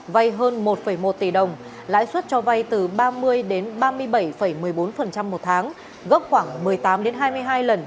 vay hơn một một tỷ đồng lãi suất cho vay từ ba mươi đến ba mươi bảy một mươi bốn một tháng gấp khoảng một mươi tám đến hai mươi hai lần